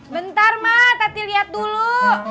bentar ma tati lihat dulu